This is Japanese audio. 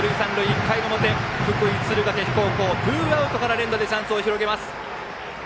１回表、福井の敦賀気比高校ツーアウトから連打でチャンスを広げます。